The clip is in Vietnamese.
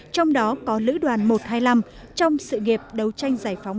trong đó có lữ đoàn một trăm hai mươi năm trong sự nghiệp đấu tranh giải phóng